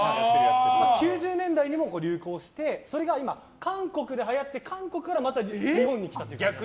９０年代にも流行してそれが今韓国ではやって韓国からまた日本に来たと。